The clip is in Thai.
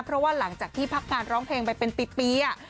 เพราะว่าหลังจากที่พักงานร้องเพลงไปเป็นปี